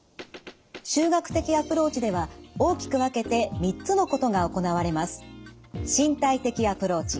集学的アプローチでは大きく分けて３つのことが行われます。